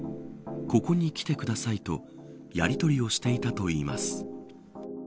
ここに来てくださいとやりとりをしていたといいます。